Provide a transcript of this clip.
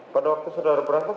pada waktu saudara berangkat